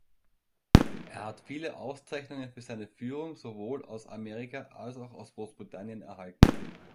Er hat viele Auszeichnungen für seine Führung sowohl aus Amerika als auch aus Großbritannien erhalten.